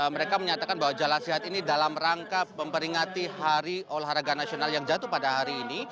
mereka menyatakan bahwa jalan sehat ini dalam rangka memperingati hari olahraga nasional yang jatuh pada hari ini